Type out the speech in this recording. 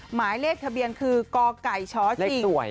หมายเลขทะเบียนคือกไก่ชชิงสวย